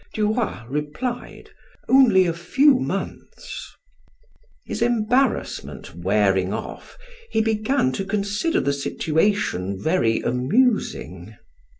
Duroy replied: "Only a few months." His embarrassment wearing off, he began to consider the situation very amusing.